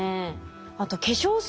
あと化粧水。